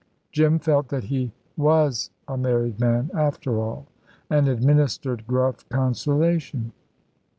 Jim felt that he was a married man after all, and administered gruff consolation.